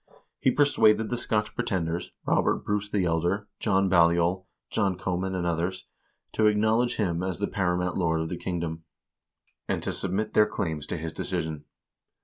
He per suaded the Scotch pretenders, Robert Bruce the Elder, John Balliol, John Comyn, and others, to acknowledge him as the paramount lord of the kingdom, and to submit their claims to his decision.